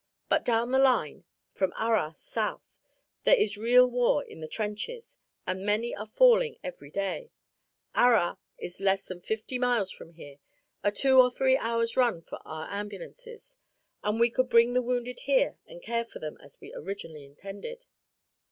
But down the line, from Arras south, there is real war in the trenches and many are falling every day. Arras is less than fifty miles from here a two or three hours' run for our ambulances and we could bring the wounded here and care for them as we originally intended."